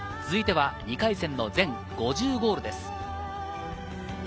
続いては２回戦の全５０ゴールです。